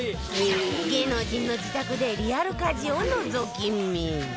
芸能人の自宅でリアル家事をのぞき見